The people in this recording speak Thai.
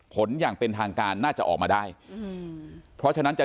ผลอย่างเป็นทางการน่าจะออกมาได้เท่านั้นจะชี้เลยว่า